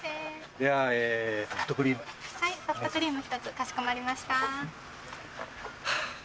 はいソフトクリーム１つかしこまりました。